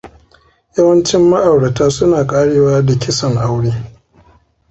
Yawancin ma'aurata suna ƙarewa da kisan aure.